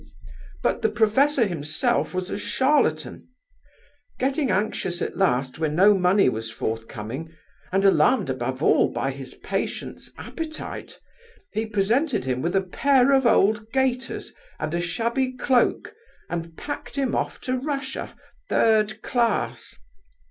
But the professor himself was a charlatan. Getting anxious at last when no money was forthcoming, and alarmed above all by his patient's appetite, he presented him with a pair of old gaiters and a shabby cloak and packed him off to Russia, third class.